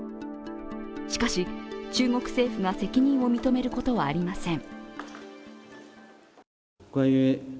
しかし、中国政府が責任を認めることはありません。